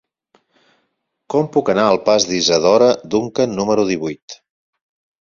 Com puc anar al pas d'Isadora Duncan número divuit?